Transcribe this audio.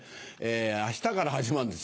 明日から始まるんです